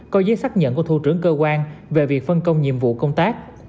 có giấy xác nhận của thủ trưởng cơ quan về việc phân công nhiệm vụ công tác